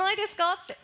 って。